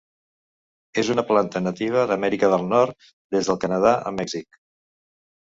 És una planta nativa d'Amèrica del Nord des del Canadà a Mèxic.